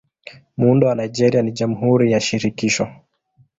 Muundo wa Nigeria ni Jamhuri ya Shirikisho.